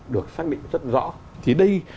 được xác định rất rõ thì đây